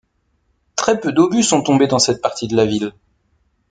Très peu d'obus sont tombés dans cette partie de la ville.